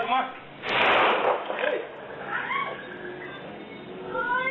ห้ามปลอดภัยกันเลย